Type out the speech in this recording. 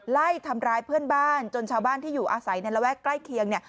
ไล่ทำร้ายเพื่อนบ้านจนชาวบ้านที่อยู่อาศัยในระแวกใกล้เคียงเนี่ย